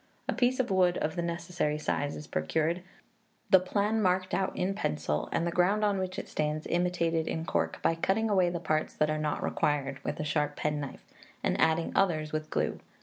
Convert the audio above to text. A piece of wood of the necessary size is procured, the plan marked out in pencil, and the ground on which it stands imitated in cork, by cutting away the parts that are not required with a sharp penknife, and adding others with glue.